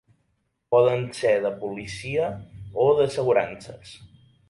Poden ser de policia o d'assegurances.